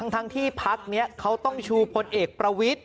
ทั้งที่พักนี้เขาต้องชูพลเอกประวิทธิ